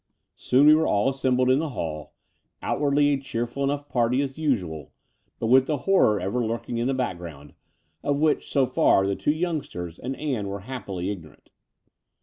Soon we were all assembled in the hall, out The Dower House 253 waxdly a cheerful enough party as usual, but with the horror ever lurking in the background, of which so far the two youngsters and Ann were happily ignorant.